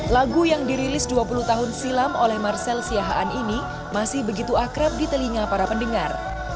lagu yang dirilis dua puluh tahun silam oleh marcel siahaan ini masih begitu akrab di telinga para pendengar